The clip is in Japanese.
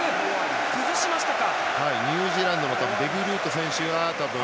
崩しましたか。